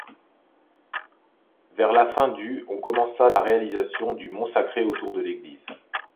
Vers la fin du on commença la réalisation du Mont Sacré autour de l’église.